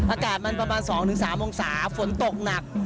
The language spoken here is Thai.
อากาศมันประมาณ๒๓องศาฝนตกหนัก